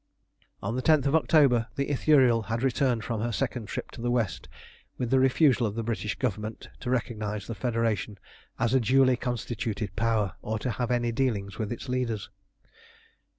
On the 10th of October the Ithuriel had returned from her second trip to the West, with the refusal of the British Government to recognise the Federation as a duly constituted Power, or to have any dealings with its leaders.